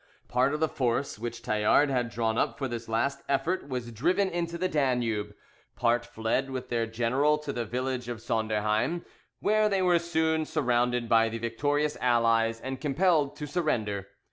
Part of the force which Tallard had drawn up for this last effort was driven into the Danube; part fled with their general to the village of Sonderheim, where they were soon surrounded by the victorious Allies, and compelled to surrender.